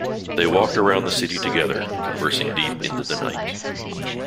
They walked around the city together, conversing deep into the night.